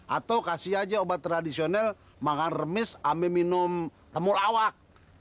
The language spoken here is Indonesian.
atau kasih aja obat tradisional makan remis ambil minum temulawak